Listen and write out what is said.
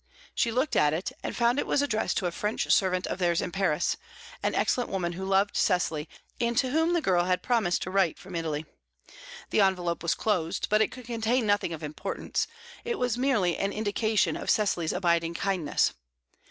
She looked at it, and found it was addressed to a French servant of theirs in Paris, an excellent woman who loved Cecily, and to whom the girl had promised to write from Italy. The envelope was closed; but it could contain nothing of importance was merely an indication of Cecily's abiding kindness.